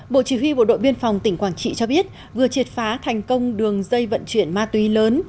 bộ chỉ huy bộ đội biên phòng tỉnh quảng trị cho biết vừa triệt phá thành công đường dây vận chuyển ma túy lớn